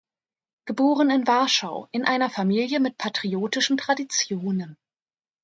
Geboren in Warschau in einer Familie mit patriotischen Traditionen.